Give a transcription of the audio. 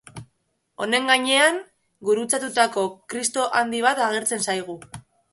Honen gainean, gurutzatutako Kristo handi bat agertzen zaigu.